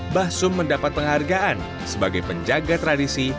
mbah sum mendapat penghargaan sebagai penjaga tradisi